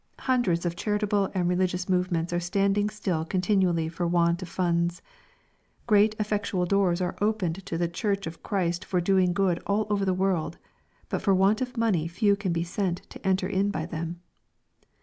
Hundreds of charitable and religious movements are standing still continually for want of funds. Great and effectual doors are open to the church of Christ for doing good all over the world, but for want of money few can be sent to enter in by them.